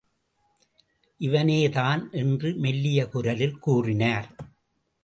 இவனேதான்! என்று மெல்லிய குரலில் கூறினார்.